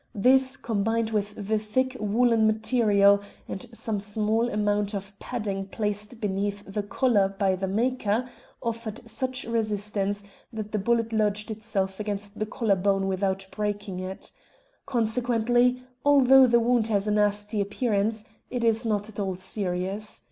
This, combined with the thick woollen material, and some small amount of padding placed beneath the collar by the maker, offered such resistance that the bullet lodged itself against the collar bone without breaking it. Consequently, although the wound has a nasty appearance, it is not at all serious.